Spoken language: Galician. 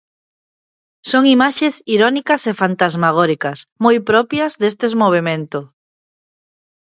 Son imaxes irónicas e fantasmagóricas, moi propias destes movemento.